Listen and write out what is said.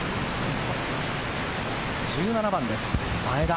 １７番です、前田。